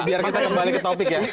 biar kita kembali ke topik ya